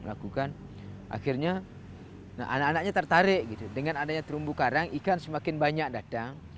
melakukan akhirnya anak anaknya tertarik gitu dengan adanya terumbu karang ikan semakin banyak datang